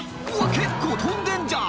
結構飛んでんじゃん！